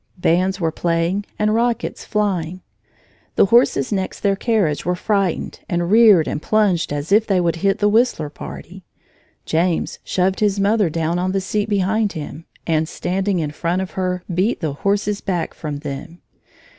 Bands were playing and rockets flying. The horses next their carriage were frightened, and reared and plunged as if they would hit the Whistler party. James shoved his mother down on the seat behind him, and standing in front of her, beat the horses back from them.